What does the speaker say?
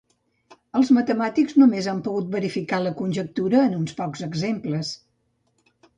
Els matemàtics només han pogut verificar la conjectura en uns pocs exemples.